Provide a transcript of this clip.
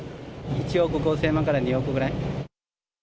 １億５０００万から２億ぐらい。